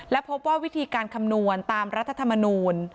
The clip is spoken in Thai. และพบว่าวิธีการคำนวณตามรัฐธรรมนูล